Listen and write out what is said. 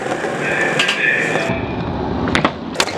برنج غیرمرغوب